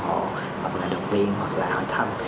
hoặc là động viên hoặc là hỏi thăm